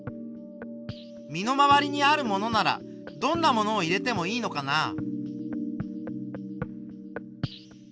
身の回りにあるものならどんなものを入れてもいいのかな。